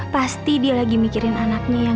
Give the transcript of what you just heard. pasti dia lagi mikirin anaknya yang